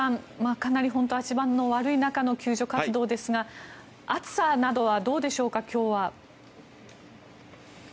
かなり足場が悪い中での救助活動ですが今日は暑さなどはどうでしょうか？